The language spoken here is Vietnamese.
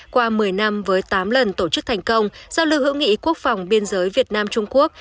qua một mươi năm với tám lần tổ chức thành công giao lưu hữu nghị quốc phòng biên giới việt nam trung quốc